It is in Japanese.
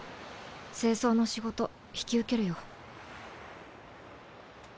清掃の仕事引き受けるよ。